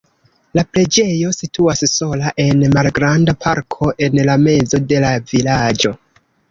La preĝejo situas sola en malgranda parko en la mezo de la vilaĝo.